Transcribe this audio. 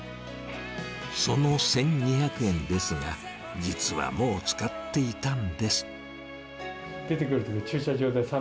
その１２００円ですが、実はもう使っていたんです。